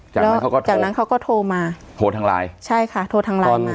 จากนั้นเขาก็จากนั้นเขาก็โทรมาโทรทางไลน์ใช่ค่ะโทรทางไลน์มา